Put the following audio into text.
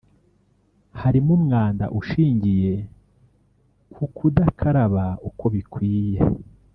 harimo umwanda ushingiye ku kudakaraba uko bikwiye